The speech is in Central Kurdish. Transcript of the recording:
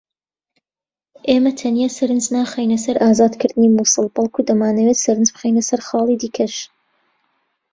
ئێمە تەنیا سەرنج ناخەینە سەر ئازادکردنی موسڵ بەڵکو دەمانەوێت سەرنج بخەینە سەر خاڵی دیکەش